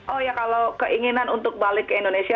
oh ya kalau keinginan untuk balik ke indonesia